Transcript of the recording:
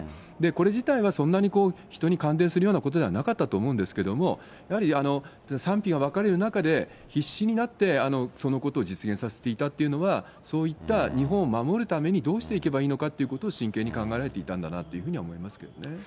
これ自体はそんなに人に感電するようなことではなかったと思うんですけれども、やはり賛否が分かれる中で、必死になってそのことを実現させていたっていうのは、そういった日本を守るためにどうしていけばいいのかということを真剣に考えられていたんだなというふうに思いますね。